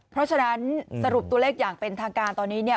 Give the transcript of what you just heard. เพราะฉะนั้นสรุปตัวเลขอย่างเป็นทางการตอนนี้เนี่ย